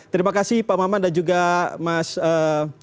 terima kasih pak maman dan juga mas lusius sampai saya lupa begitu ya